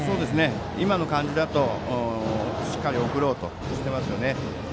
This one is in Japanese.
今の感じだとしっかり送ろうとしていますよね。